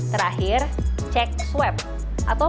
terakhir cek suhu